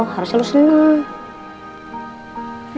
harusnya lo senang